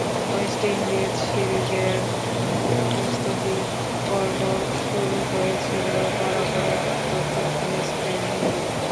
West Indies সিরিজের প্রস্তুতি পর্ব শুরু হয়েছিল বরাবরের মতো ফিটনেস ট্রেনিং দিয়ে।